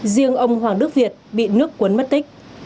riêng ông hoàng đức việt bị nước cuốn mất tích